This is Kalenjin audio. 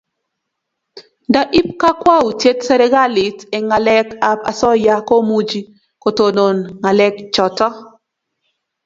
Nda ip kabkwautiet serikalit eng' ngalek ab asoya ko muchi kotonon ngalek chotok